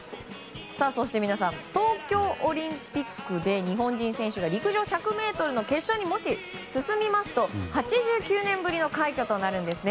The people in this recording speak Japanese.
そして東京オリンピックで日本人選手が陸上１００ｍの決勝にもし進みますと８９年ぶりの快挙となるんですね。